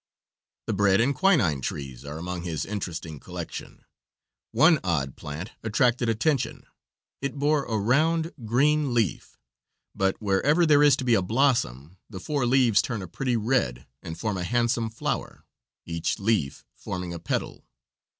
The bread and quinine trees are among his interesting collection. One odd plant attracted attention. It bore a round, green leaf, but wherever there is to be a blossom the four leaves turn a pretty red and form a handsome flower, each leaf forming a petal.